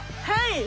はい！